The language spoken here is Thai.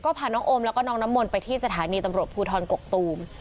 ก็พาน้องโอมแล้วก็น้องน้ำมนต์ไปที่สถานีตำรวจภูทรกกตูม